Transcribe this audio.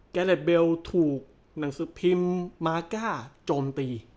เล็บเบลถูกหนังสือพิมพ์มาก้าโจมตี